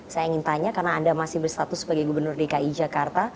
saya ingin tanya karena anda masih berstatus sebagai gubernur dki jakarta